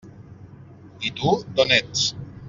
I tu, d'on ets?